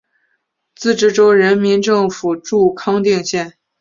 自治州人民政府驻康定县。